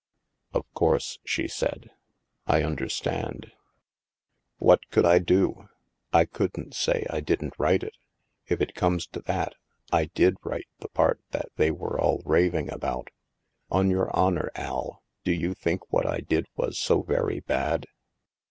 Of course," she said. I understand." What could I do ? I couldn't say I didn't write it. If it comes to that, I did write the part that they were all raving about. On your honor, Al, do you think what I did was so very bad